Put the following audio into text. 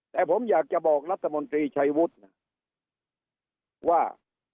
แต่ผมอยากจะบอกรัฐมนตรีชัยวุฒินะว่า